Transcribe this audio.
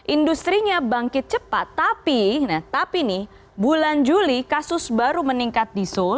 industrinya bangkit cepat tapi bulan juli kasus baru meningkat di seoul